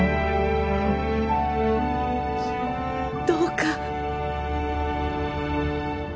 どうか